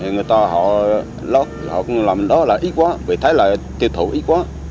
người ta họ làm đó là ít quá vì thấy là tiêu thụ ít quá